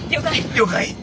了解。